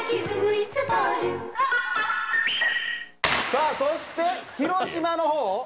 さあそして広島の方？